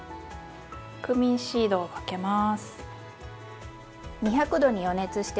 クミンシードをかけます。